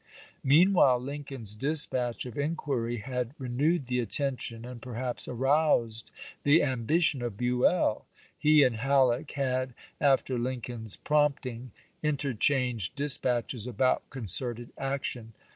Meanwhile Lincoln's dispatch of inquiry had re newed the attention, and perhaps aroused the ambition, of Buell. He and Halleck had, after Lincoln's prompting, interchanged dispatches about concerted action.